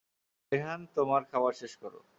রেহান তোমার খাবার শেষ কর।